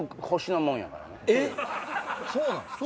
そうなんすか。